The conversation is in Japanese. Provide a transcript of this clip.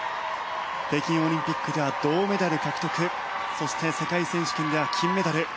北京オリンピックでは銅メダル獲得そして世界選手権では金メダル。